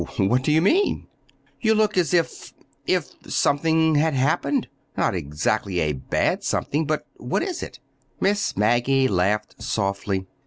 "W what do you mean?" "You look as if—if something had happened—not exactly a bad something, but—What is it?" Miss Maggie laughed softly.